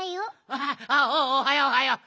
ああおはようおはよう。